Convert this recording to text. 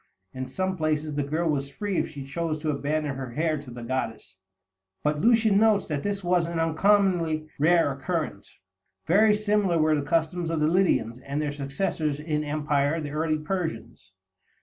In some places the girl was free if she chose to abandon her hair to the goddess, but Lucian notes that this was an uncommonly rare occurrence. Very similar were the customs of the Lydians and their successors in empire, the early Persians.